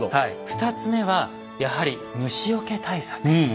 ２つ目はやはり虫よけ対策です。